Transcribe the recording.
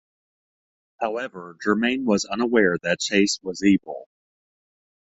However, Jermaine was unaware that Chase was evil.